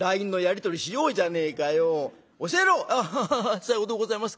さようでございますか。